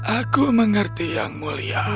aku mengerti yang mulia